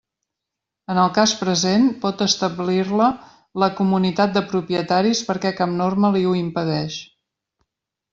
En el cas present, pot establir-la la comunitat de propietaris perquè cap norma li ho impedeix.